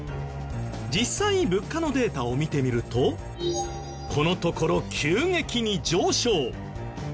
実際物価のデータを見てみるとこのところ急激に上昇。